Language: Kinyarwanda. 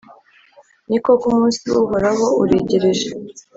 ni koko, umunsi w’uhoraho uregereje,